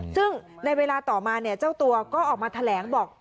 ซึ่งในเวลาต่อมาเนี่ยเจ้าตัวก็ออกมาแถลงบอก